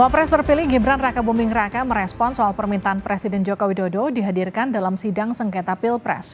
wapres terpilih gibran raka buming raka merespon soal permintaan presiden joko widodo dihadirkan dalam sidang sengketa pilpres